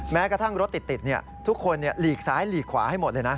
แม้กระทั่งรถติดทุกคนหลีกซ้ายหลีกขวาให้หมดเลยนะ